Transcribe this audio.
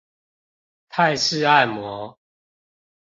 泰式按摩